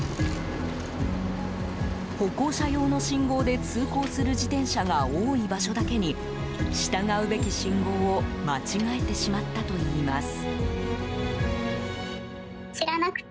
歩行者用の信号で通行する自転車が多い場所だけに従うべき信号を間違えてしまったといいます。